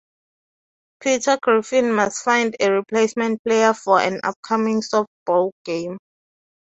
Peter Griffin must find a replacement player for an upcoming softball game.